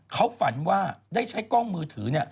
เขาฝันว่าได้ใช้กล้องมือถือเนี่ย